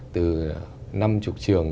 từ năm mươi trường